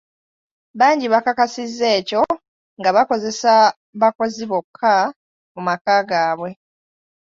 Bangi bakakasizza ekyo nga bakozesa bakozi bokka mu maka gaabwe.